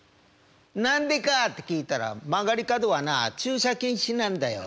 「なんでかあ？」って聞いたら「曲がり角はなちゅうしゃ禁止なんだよ」